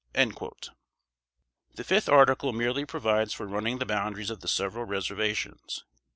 The fifth article merely provides for running the boundaries of the several reservations.